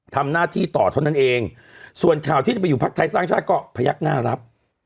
ทำหน้าที่ต่อเท่านั้นเองส่วนข่าวที่จะไปอยู่พักไทยสร้างชาติก็พยักหน้ารับ